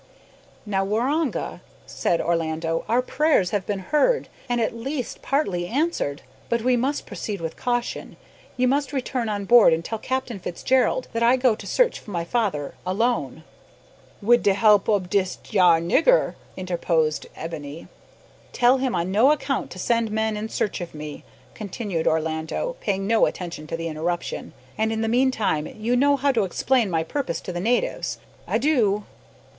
"Now, Waroonga," said Orlando, "our prayers have been heard, and at least partly answered. But we must proceed with caution. You must return on board and tell Captain Fitzgerald that I go to search for my father alone." "Wid the help ob dis yar nigger," interposed Ebony. "Tell him on no account to send men in search of me," continued Orlando, paying no attention to the interruption; "and in the meantime, you know how to explain my purpose to the natives. Adieu."